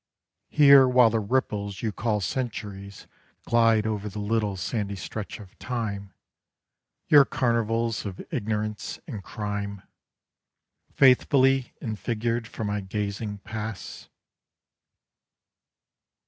Here while the ripples you call centuries glide Over the little sandy stretch of time, Your carnivals of ignorance and crime Faithfully enfigured for my gazing pass.